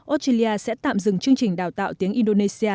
australia sẽ tạm dừng chương trình đào tạo tiếng indonesia